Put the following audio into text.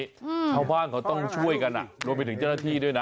ชาวบ้านเขาต้องช่วยกันอ่ะรวมไปถึงเจ้าหน้าที่ด้วยนะ